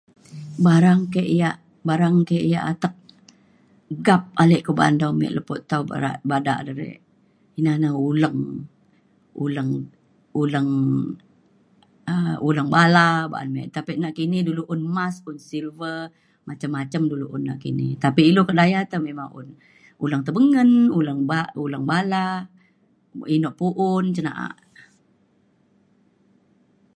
Barang kek yak atek gap alek uban ame leto tau bada , ina na uleng , uleng bala tapi nakini na ame un mas un silver , macam - macam dulue un nakini tapi ilu kak daya tai memang un uleng tebengen, uleng oba, uleng bala, inok pu'un cen na'ak